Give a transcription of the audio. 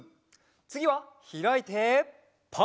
つぎはひらいてパー。